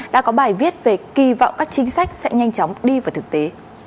đã có bài viết về kỳ vọng các chính sách sẽ nhanh chóng đi vào thực tế